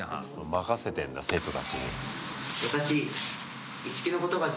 任せてんだ、生徒たちに。